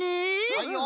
はいよ。